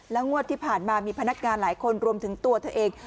งวดที่ผ่านมามีพนักงานหลายคนรวมถึงตัวเธอเอง